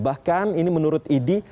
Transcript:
bahkan ini menurut idi